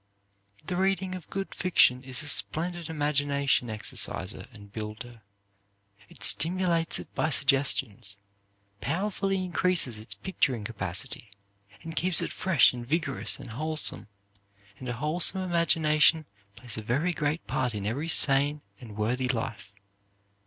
The reading of good fiction is a splendid imagination exerciser and builder. It stimulates it by suggestions, powerfully increases its picturing capacity, and keeps it fresh and vigorous and wholesome, and a wholesome imagination plays a very great part in every sane and worthy life.